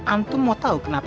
antum mau tau kenapa